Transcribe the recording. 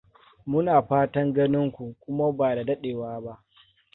Muna fatan ganinku kuma ba da dadewa ba.